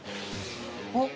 あっ。